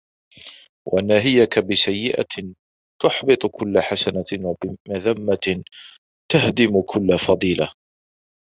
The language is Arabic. وَنَاهِيَك بِسَيِّئَةٍ تُحْبِطُ كُلَّ حَسَنَةٍ وَبِمَذَمَّةِ تَهْدِمُ كُلَّ فَضِيلَةٍ